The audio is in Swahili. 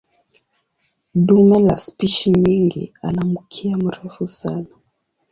Dume la spishi nyingi ana mkia mrefu sana.